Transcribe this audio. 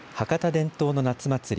伝統の夏祭り